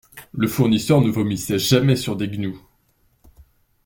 Le fournisseur ne vomissait jamais sur des gnous.